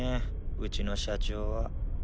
うちの社長は。